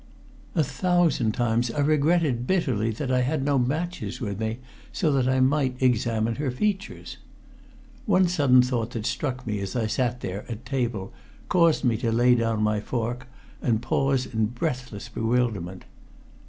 A thousand times I regretted bitterly that I had no matches with me so that I might examine her features. One sudden thought that struck me as I sat there at table caused me to lay down my fork and pause in breathless bewilderment.